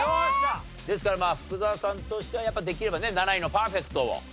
ですからまあ福澤さんとしてはやっぱできればね７位のパーフェクトを。